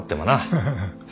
フフフ。